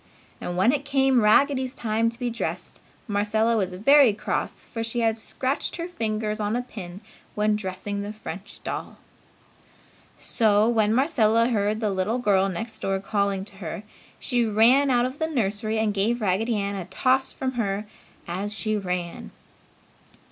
And when it came Raggedy's time to be dressed, Marcella was very cross for she had scratched her finger on a pin when dressing the French doll. So, when Marcella heard the little girl next door calling to her, she ran out of the nursery and gave Raggedy Ann a toss from her as she ran.